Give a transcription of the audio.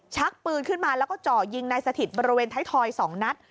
ชักปืนขึ้นมาแล้วก็เจาะยิงนายสถิตบริเวณไทยทอย๒นัด